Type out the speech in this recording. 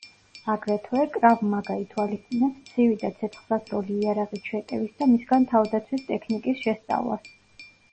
აგრეთვე, კრავ მაგა ითვალისწინებს ცივი და ცეცხლსასროლი იარაღით შეტევის და მისგან თავდაცვის ტექნიკის შესწავლას.